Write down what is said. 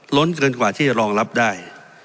ล้นเกินกว่าที่จะรองรับได้